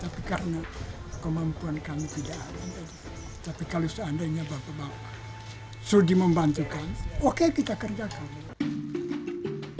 tapi kalau seandainya bapak bapak sudi membantukan oke kita kerjakan